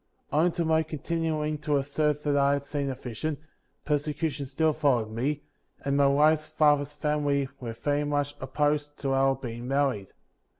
58. Owing to my continuing to assert that I had seen a vision, persecution still followed me, and my wife's father's family "were very much opposed to our being married.